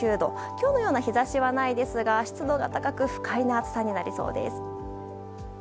今日のような日差しはないですが湿度が高く不快な暑さになりそうです。